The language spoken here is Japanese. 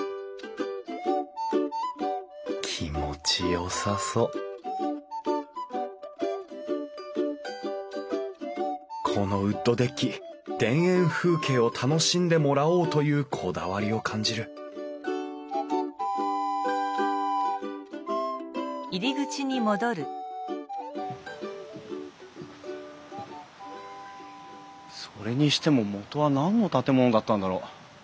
気持ちよさそうこのウッドデッキ田園風景を楽しんでもらおうというこだわりを感じるそれにしてももとは何の建物だったんだろう。